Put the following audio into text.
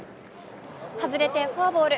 外れてフォアボール。